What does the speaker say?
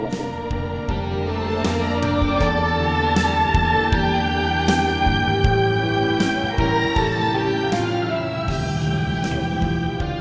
bagaimana contohnya dengan mereka